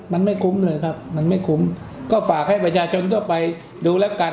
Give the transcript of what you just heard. มันไม่คุ้มเลยครับมันไม่คุ้มก็ฝากให้ประชาชนทั่วไปดูแล้วกัน